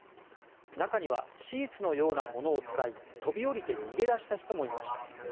中にはシーツのようなものを使い飛び降りて逃げ出した人もいました。